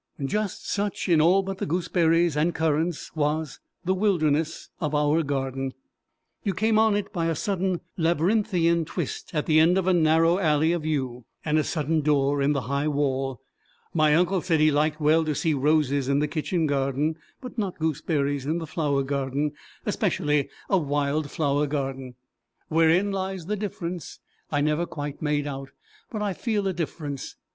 Just such, in all but the gooseberries and currants, was the wilderness of our garden: you came on it by a sudden labyrinthine twist at the end of a narrow alley of yew, and a sudden door in the high wall. My uncle said he liked well to see roses in the kitchen garden, but not gooseberries in the flower garden, especially a wild flower garden. Wherein lies the difference, I never quite made out, but I feel a difference.